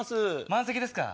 満席ですか。